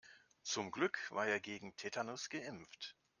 Zum Glück war er gegen Tetanus geimpft.